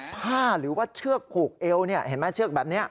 ผ้าหรือว่าเชือกผูกเอวเห็นไหมเชือกแบบนี้